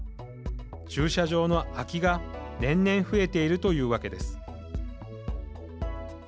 「駐車場の空き」が年々増えているというわけです。